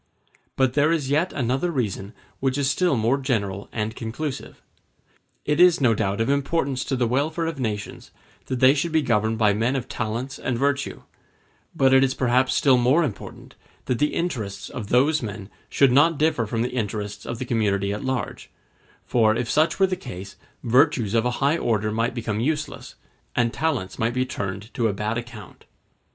But there is yet another reason which is still more general and conclusive. It is no doubt of importance to the welfare of nations that they should be governed by men of talents and virtue; but it is perhaps still more important that the interests of those men should not differ from the interests of the community at large; for, if such were the case, virtues of a high order might become useless, and talents might be turned to a bad account.